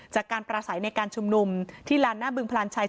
จากการประสัยในการชุมนุมที่ลานหน้าบึงพลานชัย